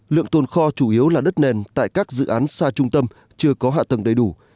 lượng tồn kho chủ yếu là đất nền tại các dự án xa trung tâm chưa có hạ tầng đầy đủ